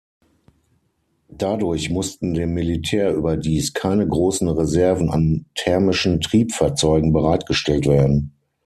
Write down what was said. Dadurch mussten dem Militär überdies keine großen Reserven an thermischen Triebfahrzeugen bereitgestellt werden.